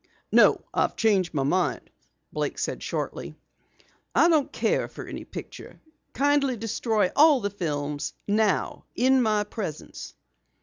"No, I've changed my mind," Blake said shortly. "I don't care for any picture. Kindly destroy all the films now, in my presence."